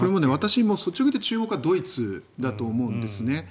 率直に注目はドイツだと思うんですね。